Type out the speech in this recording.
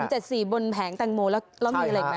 เห็น๗๔บนแผงแตงโมแล้วมีอะไรไหม